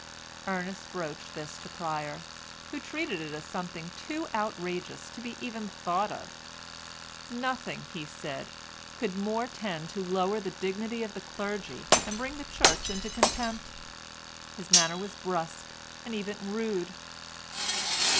Ernest broached this to Pryer, who treated it as something too outrageous to be even thought of. Nothing, he said, could more tend to lower the dignity of the clergy and bring the Church into contempt. His manner was brusque, and even rude.